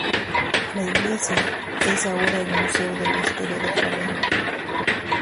La iglesia, es ahora el Museo de la Historia del Jardín.